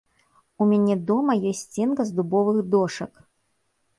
У мяне дома ёсць сценка з дубовых дошак.